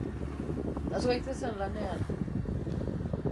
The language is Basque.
Has gaitezen lanean!